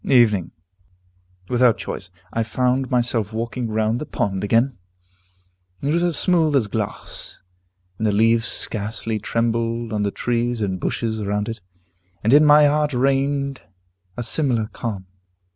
Evening. Without choice, I found myself walking round the pond again. It was as smooth as glass, and the leaves scarcely trembled on the trees and bushes round it. And in my heart reigned a similar calm.